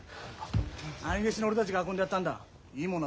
兄弟子の俺たちが運んでやったんだ。